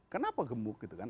kenapa gemuk gitu kan